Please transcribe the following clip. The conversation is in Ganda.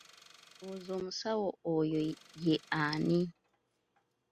Olowooza omusawo oyo ye ani?